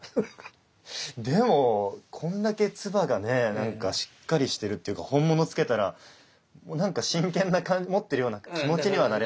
でもこんだけ鐔がねなんかしっかりしてるっていうか本物つけたらなんか真剣持ってるような気持ちにはなれますよね。